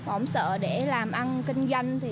ông sợ để làm ăn kinh doanh